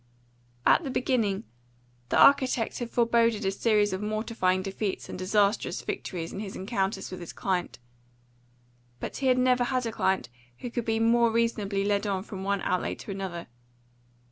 At the beginning, the architect had foreboded a series of mortifying defeats and disastrous victories in his encounters with his client; but he had never had a client who could be more reasonably led on from one outlay to another.